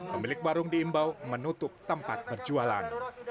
pemilik warung diimbau menutup tempat berjualan